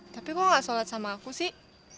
tapi kok gak sholat sama aku sih